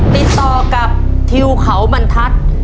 ติดต่อกับทิวเขาบรรทัศน์